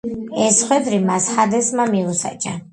ეს ხვედრი მას ჰადესმა მიუსაჯა.